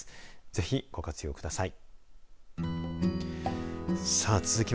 ぜひご活用ください。